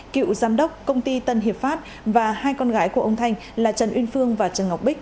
cựu giám đốc công ty tân hiệp pháp và hai con gái của ông thanh là trần uyên phương và trần ngọc bích